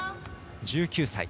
１９歳。